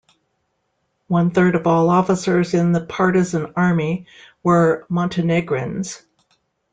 One third of all officers in the partisan army were Montenegrins.